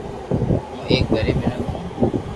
ھون ايڪ غريب مينک ھون